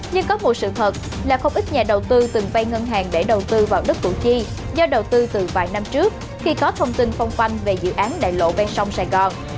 nhưng có một sự thật là không ít nhà đầu tư từng vay ngân hàng để đầu tư vào đất củ chi do đầu tư từ vài năm trước khi có thông tin phong khoanh về dự án đại lộ ven sông sài gòn